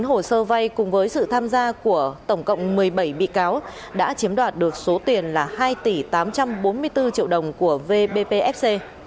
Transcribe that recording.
với tám mươi chín hồ sơ vay cùng với sự tham gia của tổng cộng một mươi bảy bị cáo đã chiếm đoạt được số tiền là hai tỷ tám trăm bốn mươi bốn triệu đồng của vbpfc